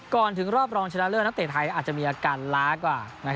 ถึงรอบรองชนะเลิศนักเตะไทยอาจจะมีอาการล้ากว่า